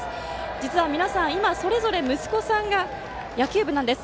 実は皆さんそれぞれ息子さんが野球部なんです。